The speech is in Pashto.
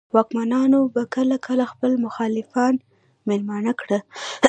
واکمنو به کله کله خپل مخالفان مېلمانه کړل.